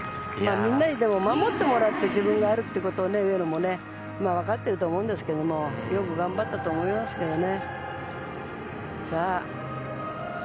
みんなに守ってもらって自分があるということを上野も分かっていると思うんですけどもよく頑張ったと思いますけどね。